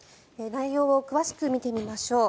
内容を詳しく見てみましょう。